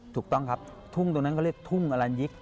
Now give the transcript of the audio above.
ถูกต้องครับทุ่งตรงนั้นเขาเรียกทุ่งอลันยิก